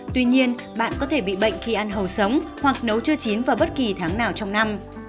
tuy nhiên bạn có thể bị bệnh khi ăn hầu sống hoặc nấu chưa chín vào bất kỳ tháng nào trong năm